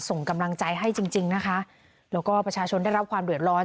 ส่งกำลังใจให้จริงจริงนะคะแล้วก็ประชาชนได้รับความเดือดร้อน